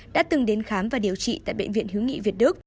đã từng đến khám và điều trị tại bệnh viện hiếu nghị việt đức